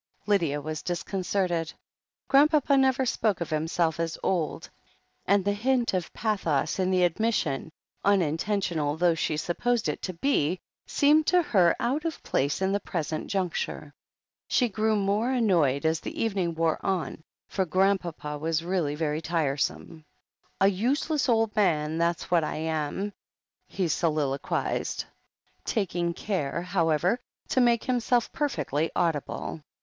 Lydia was disconcerted. Grandpapa never spoke of himself as old, and the hint of pathos in the admis sion, unintentional though she supposed it to be, seemed to her out of place in the present juncture. She grew more annoyed as the evening wore on, for Grandpapa was really very tiresome. THE HEEL OF ACHILLES 85 "A useless old man, that's what I am," he solilo quized, taking care, however, to make himself per fectly audible.